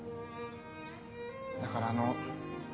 だからあの。